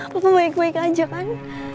papa baik baik aja kan